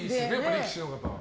力士の方は。